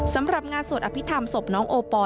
สำหรับงานสวดอภิษฐรรมศพน้องโอปอล